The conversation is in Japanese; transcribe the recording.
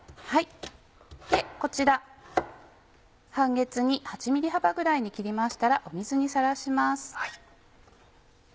こちら半月に８ｍｍ幅ぐらいに切りましたら水にさらします。